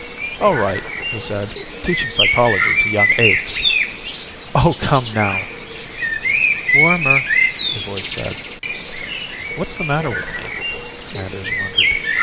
"All right," he said. "Teaching psychology to young apes " "Oh, come now!" "Warmer," the voice said. What's the matter with me, Anders wondered.